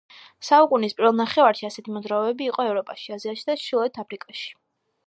საუკუნის პირველ ნახევარში ასეთი მოძრაობები იყო ევროპაში, აზიაში და ჩრდილოეთ აფრიკაში.